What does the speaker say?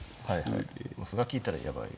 歩が利いたらやばい。